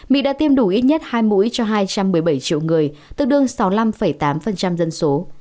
mỹ đã tiêm đủ ít nhất hai mũi cho hai trăm một mươi bảy triệu người tương đương sáu mươi năm tám dân số